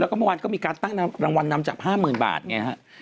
แล้วก็เมื่อวานก็มีการตั้งรางวัลนำจับ๕๐๐๐๐บาทอย่างนี้ครับ